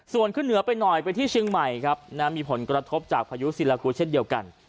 ส่วนขึ้นเหนือไปหน่อยไปที่เชียงใหม่ครับมีผลกระทบจากพายุศิลากูเช่นเดียวกัน